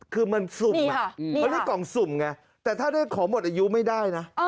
คือมันสุ่มเขาเรียกกล่องสุ่มไงแต่ถ้าได้ของหมดอายุไม่ได้นะ